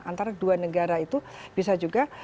antara dua negara itu bisa juga